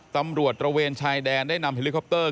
ตระเวนชายแดนได้นำเฮลิคอปเตอร์